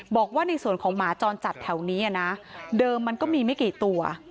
บอกว่าในส่วนของหมาจรจัดแถวนี้นะเดิมมันก็มีไม่กี่ตัว